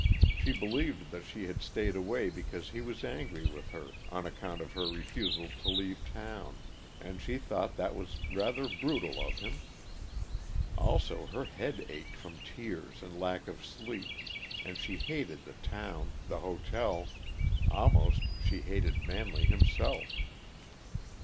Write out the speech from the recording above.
She believed that he had stayed away because he was angry with her on account of her refusal to leave town, and she thought that was rather brutal of him. Also, her head ached from tears and lack of sleep, and she hated the town, the hotel almost she hated Manley himself.